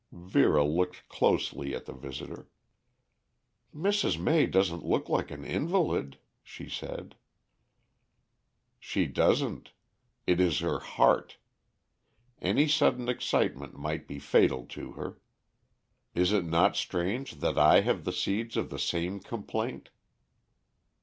Vera looked closely at the visitor. "Mrs. May doesn't look like an invalid," she said. "She doesn't. It is her heart. Any sudden excitement might be fatal to her. Is it not strange that I have the seeds of the same complaint?"